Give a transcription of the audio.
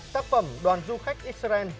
tác phẩm đoàn du khách israel